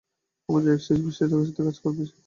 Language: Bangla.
আমাদের এক শিশু বিশেষজ্ঞের সাথে কাজ করবে সে।